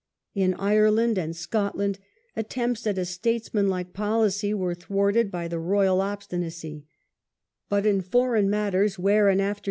In Ireland and Scot land attempts at a statesmanlike policy were thwarted by the royal obstinacy; but in foreign matters, where in after 8 A BAD BEGINNING.